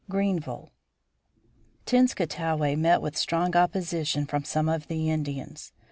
GREENVILLE Tenskwatawa met with strong opposition from some of the Indians.